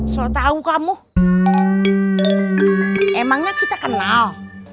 soal tahu kamu emangnya kita kenal